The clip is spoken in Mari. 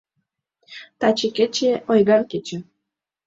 Таче кече - ойган кече: